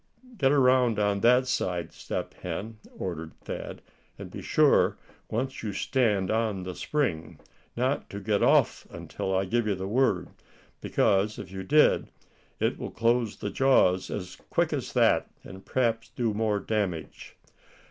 "Get around on that side, Step Hen," ordered Thad, "and be sure, once you stand on the spring, not to get off until I give the word; because if you did, it will close the jaws as quick as that, and perhaps do more damage."